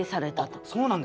そうなんですね。